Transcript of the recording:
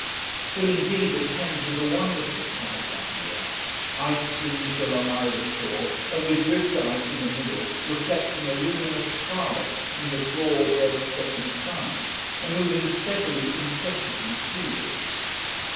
But indeed the Thames was a wonderful sight that year! ice fringed along either shore, and with drift ice in the middle reflecting a luminous scarlet from the broad red setting sun, and moving steadily, incessantly seaward.